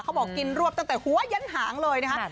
บอกกินรวบตั้งแต่หัวยั้นหางเลยนะคะ